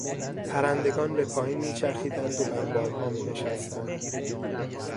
پرندگان به پایین میچرخیدند و بر بامها مینشستند.